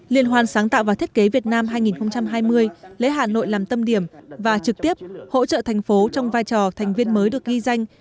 liên hoan sáng tạo và thiết kế việt nam hai nghìn hai mươi lấy hà nội làm tâm điểm và trực tiếp hỗ trợ thành phố trong vai trò thành viên mới được ghi danh